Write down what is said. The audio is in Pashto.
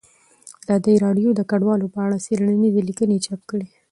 ازادي راډیو د کډوال په اړه څېړنیزې لیکنې چاپ کړي.